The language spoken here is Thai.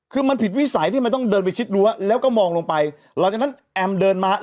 คือมันผิดวิสัยที่มันต้องเดินไปชิดรั้วแล้วก็มองลงไปหลังจากนั้นแอมเดินมา